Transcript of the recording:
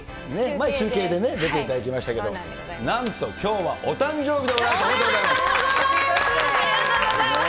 前は中継で出ていただきましたけれども、なんときょうは、お誕生日でございます。